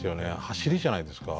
はしりじゃないですか？